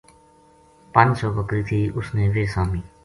پنج سو بکری تھی اُس نے ویہ سامی